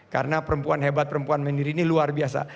karena perempuan hebat perempuan mandiri ini luar biasa